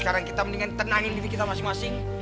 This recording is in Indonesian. sekarang kita mendingan tenangin diri kita masing masing